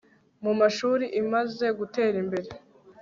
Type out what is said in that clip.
mu mashuri imaze gutera imbere